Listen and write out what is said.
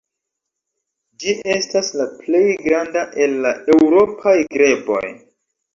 Ĝi estas la plej granda el la eŭropaj greboj.